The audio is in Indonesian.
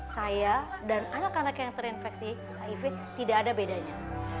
saya dan anak anak yang terinfeksi hiv tidak ada bedanya